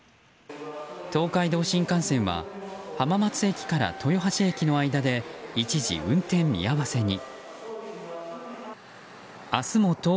東海道新幹線は浜松駅から豊橋駅の間で一時運転見合わせに。